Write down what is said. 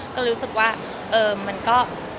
ก็เลยรู้สึกว่ามันก็